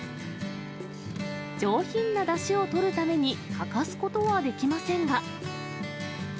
上品なだしをとるために欠かすことはできませんが。